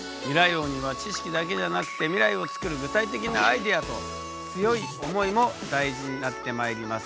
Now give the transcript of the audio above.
王には知識だけじゃなくて未来をつくる具体的なアイデアと強い思いも大事になってまいります。